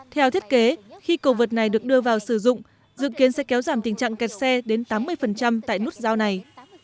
theo thiết kế khi cầu vượt này được đưa vào sử dụng dự kiến sẽ kéo giảm tình trạng kẹt xe đến tám mươi tại nút giao này